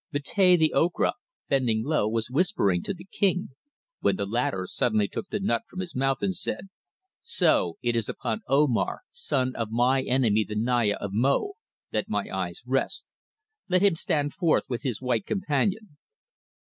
Betea, the Ocra, bending low, was whispering to the King, when the latter suddenly took the nut from his mouth and said: "So it is upon Omar, son of my enemy the Naya of Mo, that my eyes rest! Let him stand forth with his white companion."